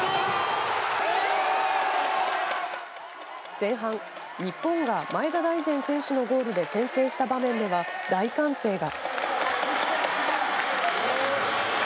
前半、日本が前田大然選手のゴールで先制した場面では大歓声が。